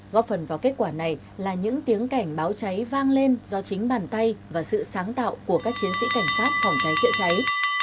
góp phần vào kết quả này là những tiếng cảnh báo cháy vang lên do chính bàn tay và sự sáng tạo của các chiến sĩ cảnh sát phòng cháy chữa cháy